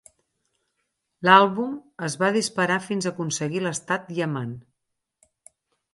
L'àlbum es va disparar fins a aconseguir l'estat Diamant.